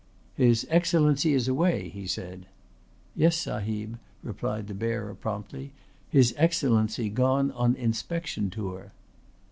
"His Excellency is away," he said. "Yes, Sahib," replied the bearer promptly. "His Excellency gone on inspection tour."